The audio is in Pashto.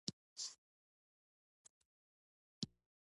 ښځمن ذهنيت مسلط کړي،